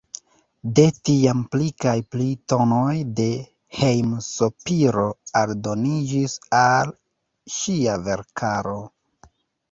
De tiam pli kaj pli tonoj de hejm-sopiro aldoniĝis al ŝia verkaro.